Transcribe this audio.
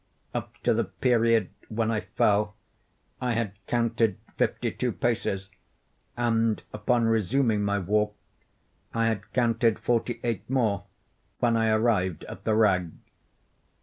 Up to the period when I fell I had counted fifty two paces, and upon resuming my walk, I had counted forty eight more—when I arrived at the rag.